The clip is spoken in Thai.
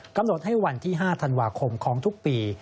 กำหนดให้วันที่๕ธันวาคมของทุกปี